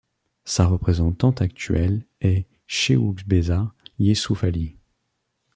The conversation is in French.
Sa représentante actuelle est Shewubeza Yesuf Ali.